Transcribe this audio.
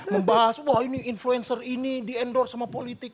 membahas wah ini influencer ini di endorse sama politik